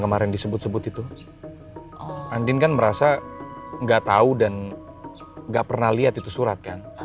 kemarin disebut sebut itu andien kan merasa enggak tahu dan enggak pernah lihat itu surat